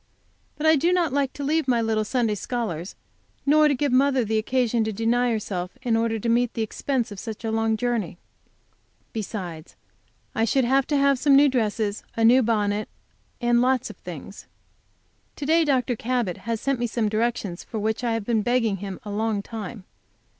But I do not like to leave my little Sunday scholars, nor to give mother the occasion to deny herself in order to meet the expense of such a long journey. Besides, I should have to have some new dresses, a new bonnet, and lots of things. To day Dr. Cabot has sent me some directions for which I have been begging him a long time.